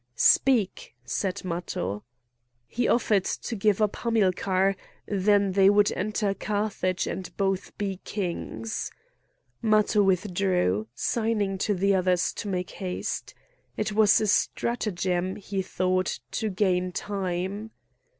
"Speak!" said Matho. He offered to give up Hamilcar; then they would enter Carthage and both be kings. Matho withdrew, signing to the others to make haste. It was a stratagem, he thought, to gain time.